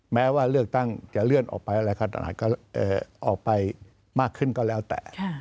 แม้ว่าเลือกตั้งจะเลื่อนออกไปอะไรขนาดก็ออกไปมากขึ้นก็แล้วแต่